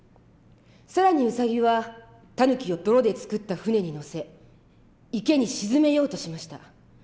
更にウサギはタヌキを泥で作った舟に乗せ池に沈めようとしました。